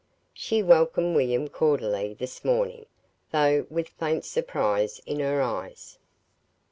She welcomed William cordially this morning, though with faint surprise in her eyes.